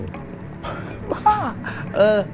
มาก